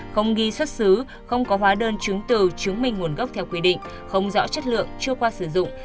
không ghi xuất xứ không có hóa đơn chứng từ chứng minh nguồn gốc theo quy định không rõ chất lượng chưa qua sử dụng